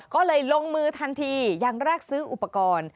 ก็เลยลงมือทันทีอย่างแรกซื้ออุปกรณ์